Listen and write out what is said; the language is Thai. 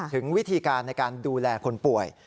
ถึงวิธีการในการดูแลคนป่วย